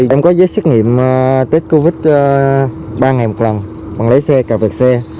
em có giấy xét nghiệm tết covid ba ngày một lần bằng lấy xe